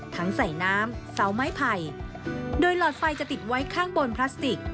ใส่น้ำเสาไม้ไผ่โดยหลอดไฟจะติดไว้ข้างบนพลาสติก